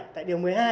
tại điều một mươi hai